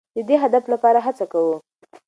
د دې هدف لپاره هڅه کوو.